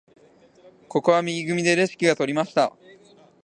ここは右組でレシキが取りました。